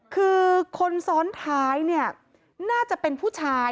คือคนซ้อนท้ายเนี่ยน่าจะเป็นผู้ชาย